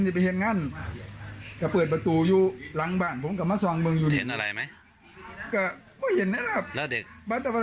จะเปลี่ยนงั้นอ้าวเปิดประตูอยู่หลังบ้านผมก็กำมัน